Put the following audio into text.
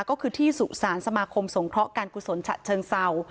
ก็คือที่สุสานสมาคมสงเคราะห์การกุศลฉะเชิงเศร้า